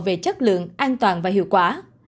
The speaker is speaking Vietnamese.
về chất lượng an toàn và hiệu quả